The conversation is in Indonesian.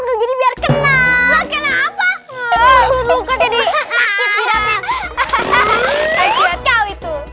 gede sakit hidupnya lihat begitu